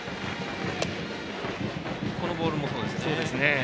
今のボールもそうですね。